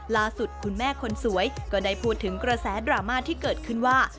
ล่าสุดคุณแม่คนสวยก็ได้พูดถึงกระแสดราม่าที่เกิดขึ้นว่า